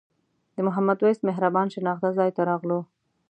د محمد وېس مهربان شناخته ځای ته راغلو.